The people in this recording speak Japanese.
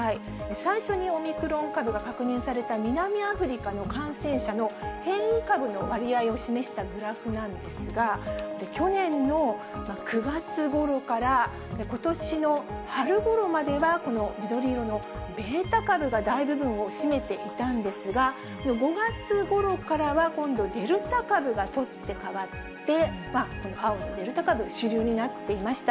最初にオミクロン株が確認された、南アフリカの感染者の変異株の割合を示したグラフなんですが、去年の９月ごろから、ことしの春ごろまでは、この緑色のベータ株が大部分を占めていたんですが、５月ごろからは今度、デルタ株が取って代わって、この青のデルタ株、主流になっていました。